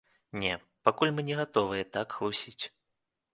Не, пакуль мы не гатовыя так хлусіць.